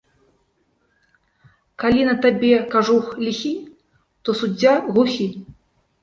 Калі на табе кажух ліхі, то суддзя глухі